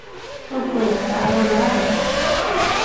Ur kent-ttɛawaneɣ ara.